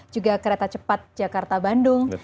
juga kereta cepat jakarta bandung